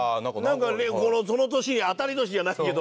なんかねその年当たり年じゃないけど。